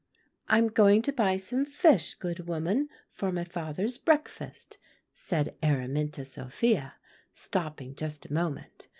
"'I am going to buy some fish, good woman, for my father's breakfast,' said Araminta Sophia, stopping just a moment.